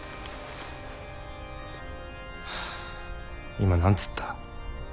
今何つった？